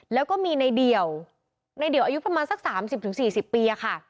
แล้วก็มีในเดี่ยวในเดี่ยวอายุประมาณสัก๓๐๔๐ปีค่ะ